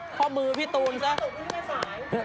ข้อมือพี่ตูนซะ